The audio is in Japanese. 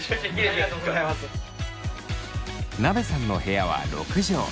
なべさんの部屋は６畳。